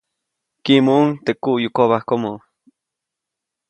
Kiʼmuʼuŋ teʼ kuʼyukobajkomo.